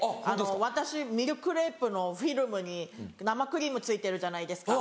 私ミルクレープのフィルムに生クリーム付いてるじゃないですか。